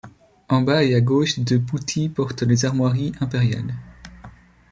En bas et à gauche, deux putti portent les armoiries impériales.